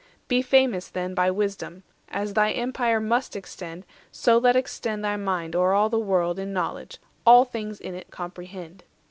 Be famous, then, By wisdom; as thy empire must extend, So let extend thy mind o'er all the world In knowledge; all things in it comprehend.